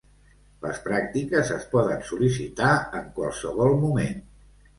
Les pràctiques es poden sol·licitar en qualsevol moment.